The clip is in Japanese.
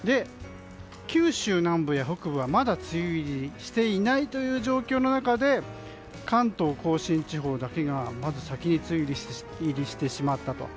九州南部や北部はまだ梅雨入りしていないという状況の中で関東・甲信地方だけが先に梅雨入りしてしまったと。